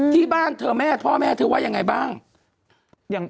ที่บ้านเธอแม่พ่อแม่เธอว่ายังไงบ้าง